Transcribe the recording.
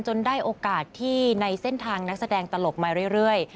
ได้โอกาสที่ในเส้นทางนักแสดงตลกมาเรื่อย